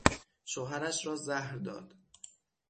شوهرش را زهر داد.